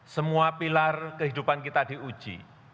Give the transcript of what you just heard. semua pilar kehidupan kita diuji